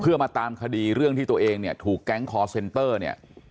เพื่อมาตามคดีเรื่องที่ตัวเองเนี่ยถูกแก๊งคอร์เซนเตอร์เนี่ย